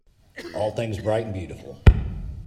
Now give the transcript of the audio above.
All things bright and beautiful.